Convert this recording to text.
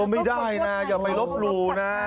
ไม่ได้นะอย่าไปลบหลู่นะ